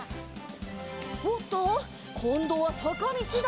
おっとこんどはさかみちだ。